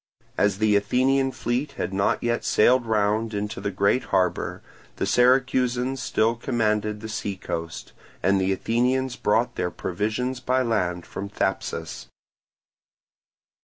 As the Athenian fleet had not yet sailed round into the great harbour, the Syracusans still commanded the seacoast, and the Athenians brought their provisions by land from Thapsus.